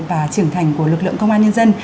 và trưởng thành của lực lượng công an nhân dân